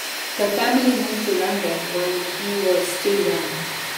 The family moved to London while he was still young.